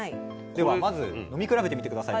ではまず飲み比べてみて下さい。